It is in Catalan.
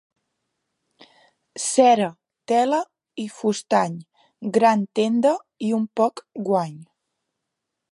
Cera, tela i fustany, gran tenda i poc guany.